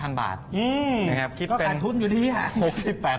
ก็การทุนอยู่ที่นี่ครับ